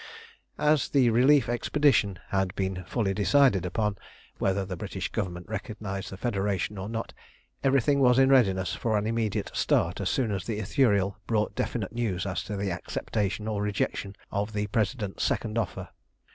As the relief expedition had been fully decided upon, whether the British Government recognised the Federation or not, everything was in readiness for an immediate start as soon as the Ithuriel brought definite news as to the acceptation or rejection of the President's second offer.